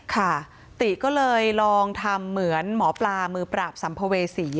ติก็เลยลองทำเหมือนหมอปลามือปราบสัมภเวษี